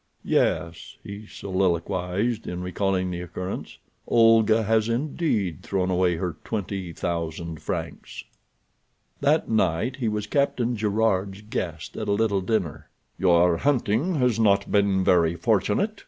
"Yes," he soliloquized, in recalling the occurrence, "Olga has indeed thrown away her twenty thousand francs." That night he was Captain Gerard's guest at a little dinner. "Your hunting has not been very fortunate?"